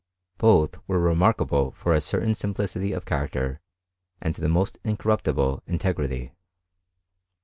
Both were remarkable for a certain sim plicity of character and the most incorruptible inte grity.